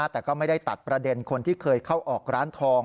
แต่ก็ไม่ได้ตัดประเด็นคนที่เคยเข้าออกร้านทอง